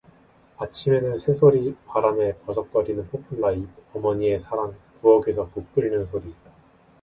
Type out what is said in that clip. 아침에는 새소리, 바람에 버석거리는 포플라 잎, 어머니의 사랑, 부엌에서 국 끓는 소리